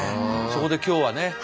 そこで今日はね。